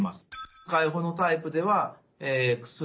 開放のタイプでは薬